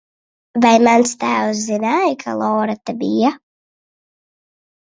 Vai mans tēvs zināja, ka Lora te bija?